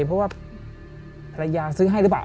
เพราะว่าภรรยาซื้อให้หรือเปล่า